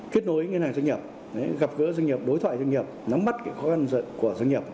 với ngân hàng doanh nghiệp gặp gỡ doanh nghiệp đối thoại doanh nghiệp nắm mắt cái khó khăn của doanh nghiệp